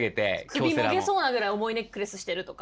首もげそうなぐらい重いネックレスしてるとか。